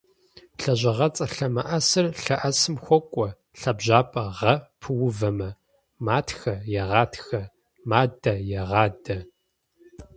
Лэжьыгъэцӏэ лъэмыӏэсыр лъэӏэсым хуокӏуэ лъабжьэпэ - гъэ пыувэмэ: матхэ - егъатхэ, мадэ - егъадэ.